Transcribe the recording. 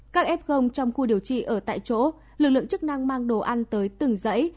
các f trong khu điều trị ở tại chỗ lực lượng chức năng mang đồ ăn tới từng dãy